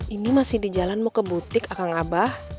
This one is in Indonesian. ini masih di jalan mau ke butik akang abah